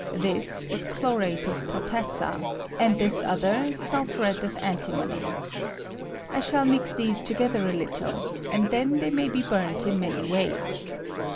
This is chlorate of potassa, and this other sulphuret of antimony. I shall mix these together a little, and then they may be burnt in many ways.